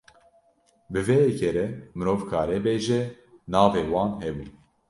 Bi vê yekê re mirov karê bêje navê wan hebû.